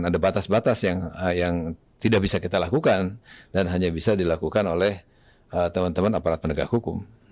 ada batas batas yang tidak bisa kita lakukan dan hanya bisa dilakukan oleh teman teman aparat penegak hukum